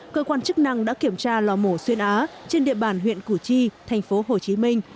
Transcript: cơ quan chức năng đã kiểm tra lò mổ xuyên á trên địa bàn huyện củ chi thành phố hồ chí minh